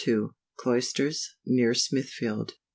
2, Cloysters, near Smithfield.